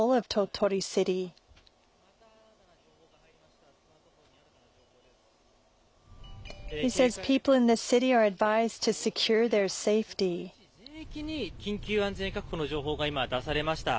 鳥取市全域に緊急安全確保の情報が今、出されました。